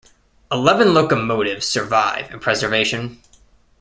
Eleven locomotives survive in preservation.